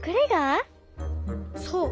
そう。